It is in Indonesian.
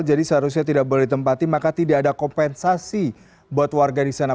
seharusnya tidak boleh ditempati maka tidak ada kompensasi buat warga di sana